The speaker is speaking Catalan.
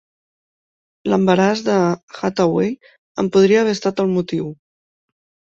L'embaràs de Hathaway en podria haver estat el motiu.